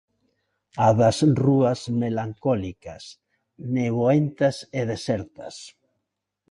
A das rúas melancólicas, neboentas e desertas.